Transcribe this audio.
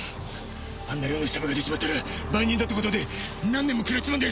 あんな量のシャブが出ちまったら売人だってことで何年もくらっちまうんだよ。